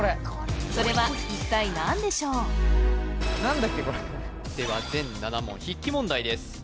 それは一体何でしょうでは全７問筆記問題です